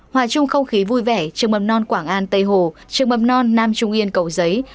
hòa chung không khí vui vẻ trường mầm non quảng an tây hồ trường mầm non nam trung yên cầu giấy